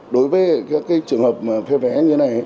đối với trường hợp phê vé như thế này